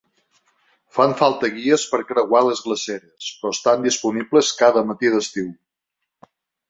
Fan falta guies per creuar les glaceres, però estan disponibles cada matí d'estiu.